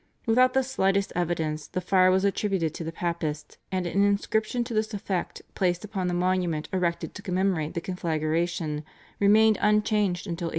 Without the slightest evidence the fire was attributed to the Papists, and an inscription to this effect placed upon the monument erected to commemorate the conflagration remained unchanged until 1830.